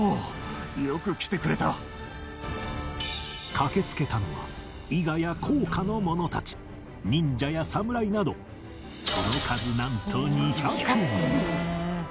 駆けつけたのは伊賀や甲賀の者たち忍者や侍などその数なんと２００人！